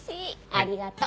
ありがとう。